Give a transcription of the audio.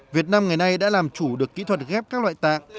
việt nam ngày nay đã làm chủ được kỹ thuật ghép các loại tạng